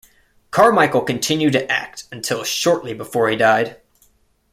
Carmichael continued to act until shortly before he died.